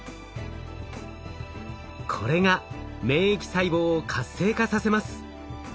これが免疫細胞を活性化させます。